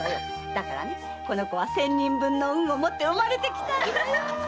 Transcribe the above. だからねこの子は千人分の運を持って産まれてきたんだよ。